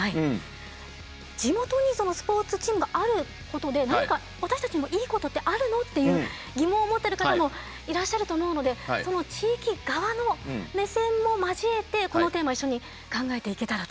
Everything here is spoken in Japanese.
地元にスポーツチームがあることで何か私たちにもいいことってあるの？っていう疑問を持ってる方もいらっしゃると思うので地域側の目線も交えてこのテーマ一緒に考えていけたらと。